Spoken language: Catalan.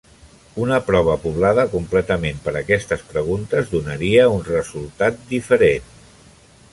Una prova poblada completament per aquestes preguntes donaria un resultat diferent.